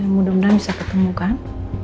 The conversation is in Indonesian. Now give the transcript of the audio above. mudah mudahan bisa ketemu kan